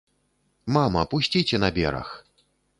Мама, пусціце на бераг.